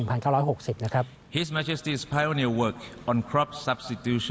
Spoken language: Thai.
มันทำงานที่สุดที่จะเพิ่มการต่อที่ด้วย